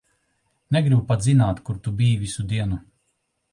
Negribu pat zināt, kur tu biji visu dienu.